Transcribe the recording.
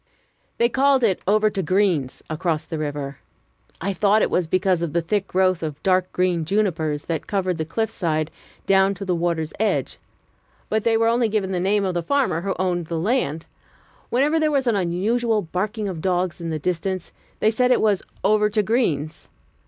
They called it "over to Green's" across the river. I thought it was because of the thick growth of dark green junipers, that covered the cliff side down to the water's edge; but they were only giving the name of the farmer who owned the land, Whenever there was an unusual barking of dogs in the distance, they said it was "over to Green's."